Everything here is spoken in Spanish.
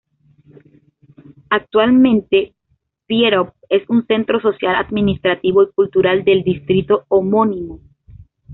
Actualmente, Přerov es un centro social, administrativo y cultural del distrito homónimo.